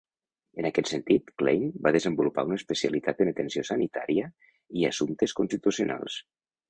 En aquest sentit, Klein va desenvolupar una especialitat en atenció sanitària i assumptes constitucionals.